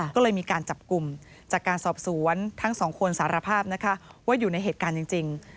ก็เลยมีการจับกลุ่มจากการสอบสวนทั้งสองคนสารภาพนะคะว่าอยู่ในเหตุการณ์จริง